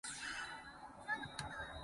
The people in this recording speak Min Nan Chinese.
搙